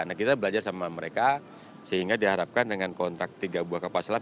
nah kita belajar sama mereka sehingga diharapkan dengan kontrak tiga buah kapal selam